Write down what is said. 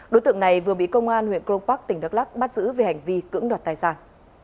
đối tượng này vừa bị công an huyện cron park tỉnh đắk lắc bắt giữ về hành vi cưỡng đoạt tài sản